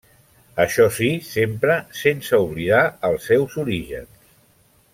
Això si sempre sense oblidar els seus orígens.